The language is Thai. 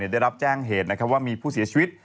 ได้รับแจ้งเหตุว่ามีผู้เสียชีวิต